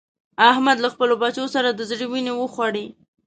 احمد له خپلو بچو سره د زړه وينې وخوړې.